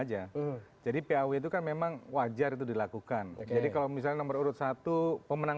aja jadi paw itu kan memang wajar itu dilakukan jadi kalau misalnya nomor urut satu pemenang